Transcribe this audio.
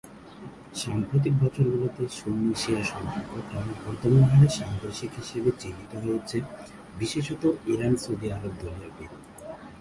সাম্প্রতিক বছরগুলোতে, সুন্নি-শিয়া সম্পর্ক ক্রমবর্ধমান হারে সাংঘর্ষিক হিসেবে চিহ্নিত হয়েছে, বিশেষত ইরান-সৌদি আরব দলীয় বিরোধ।